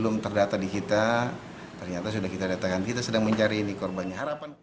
belum terdata di kita ternyata sudah kita datangkan kita sedang mencari ini korbannya